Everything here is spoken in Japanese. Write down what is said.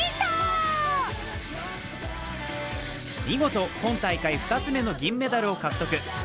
見事、今大会２つ目の銀メダルを獲得。